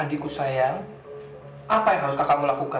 adikku sayang apa yang harus kakakmu lakukan